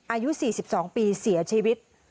อายุ๔๒ปีเสียชีวิต